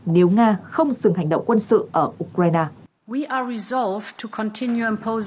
nếu nga không dừng hành động quân sự ở ukraine